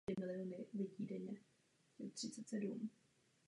Významnou oblastí hospodářství je také díky strategické poloze doprava.